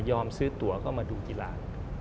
ยอมซื้อตัวก็มาดูกีฬา